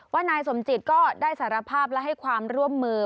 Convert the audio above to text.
นายสมจิตก็ได้สารภาพและให้ความร่วมมือ